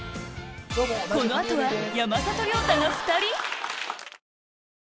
この後は山里亮太が２人⁉